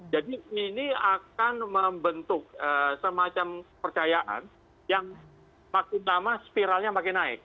ini akan membentuk semacam percayaan yang makin lama spiralnya makin naik